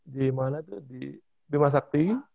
di mana tuh di bimasakti